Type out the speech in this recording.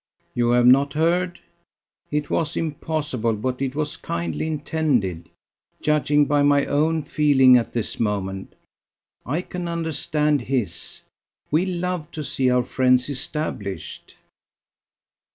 "You have not heard? It was impossible, but it was kindly intended. Judging by my own feeling at this moment, I can understand his. We love to see our friends established."